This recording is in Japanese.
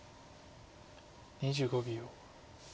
２５秒。